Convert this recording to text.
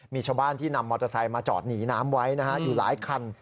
มีชาวบ้านที่นำมอเตอร์ไซค์มาจอดหนีน้ำไว้นะฮะอยู่หลายคัน